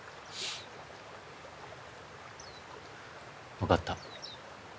わかった。